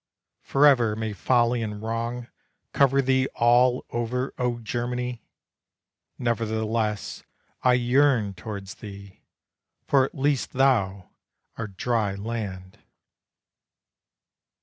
Forever may folly and wrong Cover thee all over, oh Germany, Nevertheless I yearn towards thee For at least thou art dry land.